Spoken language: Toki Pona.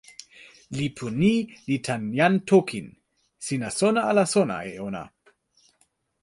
lipu ni li tan jan Tokin, sina sona ala sona e ona?